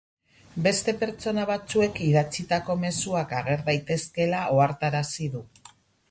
Beste pertsona batzuek idatzitako mezuak ager daitezkeela ohartarazi du.